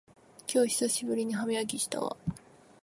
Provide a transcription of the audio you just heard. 今日久しぶりに歯磨きしたわ